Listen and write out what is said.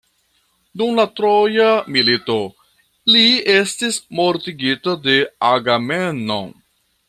Dum la troja milito, li estis mortigita de Agamemno.